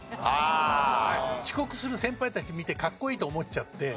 遅刻する先輩たち見てかっこいいと思っちゃって。